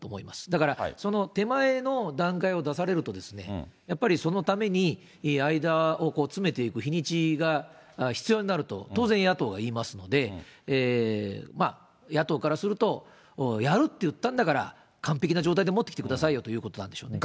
だからその手前の段階を出されると、やっぱりそのために間を詰めていく日にちが必要になると当然、野党が言いますので、野党からすると、やるって言ったんだから、完璧な状態で持ってきてくださいよということなんでしょうね。